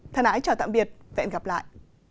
thân ái chào tạm biệt và hẹn gặp lại